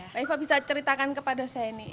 mbak eva bisa ceritakan kepada saya ini